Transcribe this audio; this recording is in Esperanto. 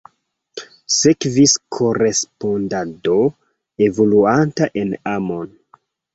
Sekvis korespondado evoluanta en amon.